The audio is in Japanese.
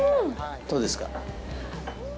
どうですか？